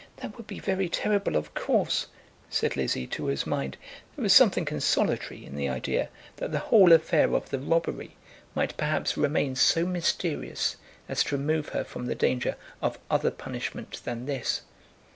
"That would be very terrible, of course," said Lizzie, to whose mind there was something consolatory in the idea that the whole affair of the robbery might perhaps remain so mysterious as to remove her from the danger of other punishment than this.